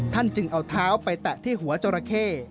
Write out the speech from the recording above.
จึงเอาเท้าไปแตะที่หัวจราเข้